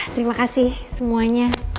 terima kasih semuanya